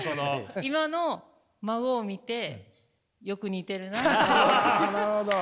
今の孫を見てよく似てるなって。